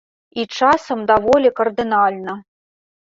І часам даволі кардынальна.